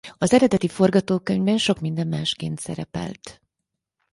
Az eredeti forgatókönyvben sok minden másként szerepelt.